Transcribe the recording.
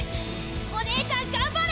お姉ちゃん頑張れ！